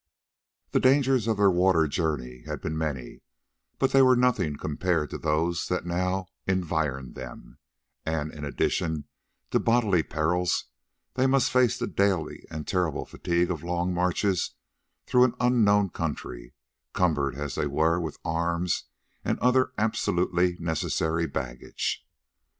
The dangers of their water journey had been many, but they were nothing compared with those that now environed them, and in addition to bodily perils, they must face the daily and terrible fatigue of long marches through an unknown country, cumbered as they were with arms and other absolutely necessary baggage.